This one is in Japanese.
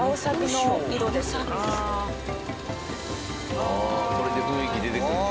ああこれで雰囲気出てくるんや。